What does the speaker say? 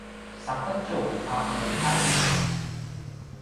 saqetju a u aljis